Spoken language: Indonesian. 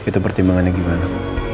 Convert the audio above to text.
tapi pertimbangannya gimana